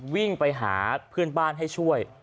วิ่งไปหาเพื่อนบ้านให้ช่วย